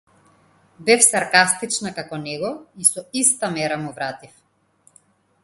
Бев саркастична како него и со иста мера му вратив.